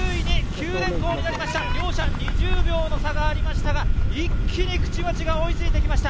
２０秒の差がありましたが、一気に口町が追いついてきました。